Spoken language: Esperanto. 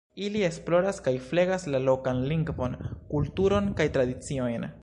Ili esploras kaj flegas la lokan lingvon, kulturon kaj tradiciojn.